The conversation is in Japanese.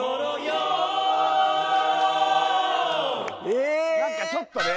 ・えっ何かちょっとね